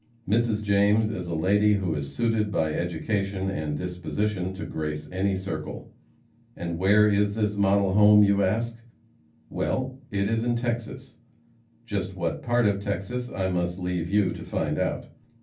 Mrs. James is a lady who is suited by education and disposition to grace any circle. And where is this model home? you ask. Well, it is in Texas just what part of Texas I must leave you to find out.